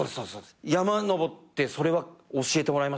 山登ってそれは教えてもらいましたね。